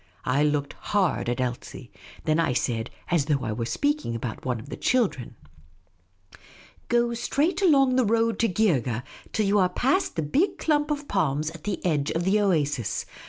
I looked hard at Elsie, then I said, as though I were speaking about one of the children: " Go straight along the road to Geergeh till you are past the big clump of palms at the edge of the oasis.